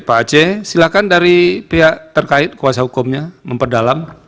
pak aceh silakan dari pihak terkait kuasa hukumnya memperdalam